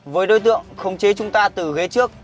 với đối tượng khống chế chúng ta từ ghế trước